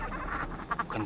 itu katherine pak ganes